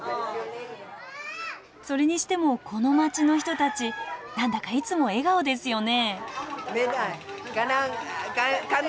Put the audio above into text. それにしてもこの街の人たち何だかいつも笑顔ですよね。